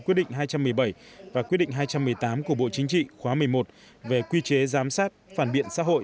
quyết định hai trăm một mươi bảy và quyết định hai trăm một mươi tám của bộ chính trị khóa một mươi một về quy chế giám sát phản biện xã hội